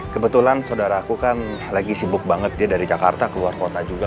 kebetulan saudara aku kan lagi sibuk banget dia dari jakarta ke luar kota juga